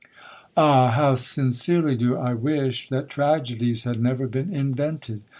"Ah! how sincerely do I wish that tragedies had never been invented!